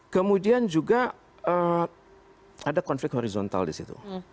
kemudian juga ada konflik horizontal di situ